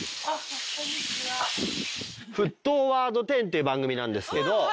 『沸騰ワード１０』っていう番組なんですけど。